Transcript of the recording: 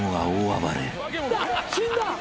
死んだ！